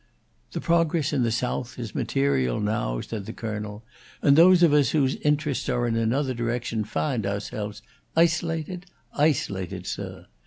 "The progress in the South is material now," said the Colonel; "and those of us whose interests are in another direction find ourselves isolated isolated, sir.